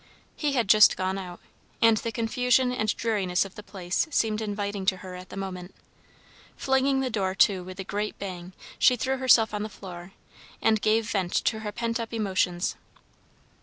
He had just gone out, and the confusion and dreariness of the place seemed inviting to her at the moment. Flinging the door to with a great bang, she threw herself on the floor, and gave vent to her pent up emotions.